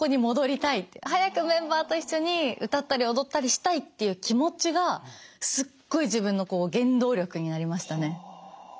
早くメンバーと一緒に歌ったり踊ったりしたいっていう気持ちがすっごい自分の原動力になりましたね。